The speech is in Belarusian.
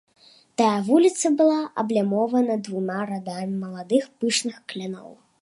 Тая вуліца была аблямована двума радамі маладых пышных кляноў.